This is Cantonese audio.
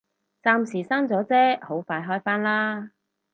暫時閂咗啫，好快開返啦